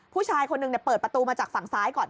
ผู้ชายคนหนึ่งเปิดประตูมาจากฝั่งซ้ายก่อน